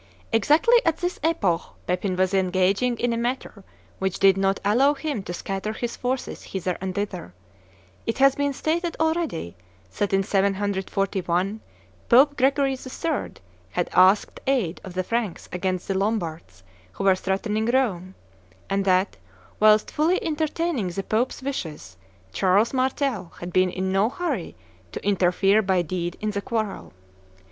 Exactly at this epoch Pepin was engaging in a matter which did not allow him to scatter his forces hither and thither. It has been stated already, that in 741 Pope Gregory III. had asked aid of the Franks against the Lombards who were threatening Rome, and that, whilst fully entertaining the Pope's wishes, Charles Martel had been in no hurry to interfere by deed in the quarrel.